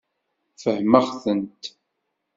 Fehmeɣ-tent.